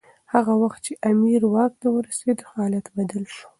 هغه وخت چي امیر واک ته ورسېد حالات بدل شول.